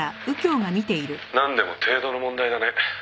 「なんでも程度の問題だね」